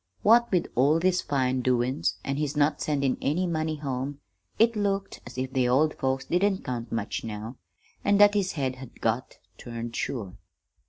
What with all these fine doin's, an' his not sendin' any money home, it looked as if the old folks didn't count much now, an' that his head had got turned sure.